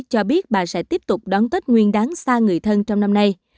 cho biết bà sẽ tiếp tục đón tết nguyên đáng xa người thân trong năm nay